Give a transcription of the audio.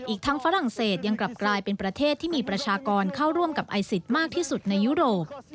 อีกทั้งฝรั่งเศสยังกลับกลายเป็นประเทศที่มีประชากรเข้าร่วมกับไอซิสมากที่สุดในยุโรป